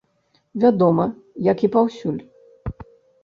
Вядома, як і паўсюль.